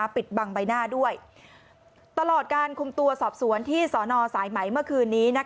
ปิดบังใบหน้าด้วยตลอดการคุมตัวสอบสวนที่สอนอสายไหมเมื่อคืนนี้